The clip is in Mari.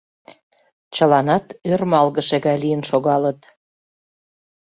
Чыланат ӧрмалгыше гай лийын шогалыт.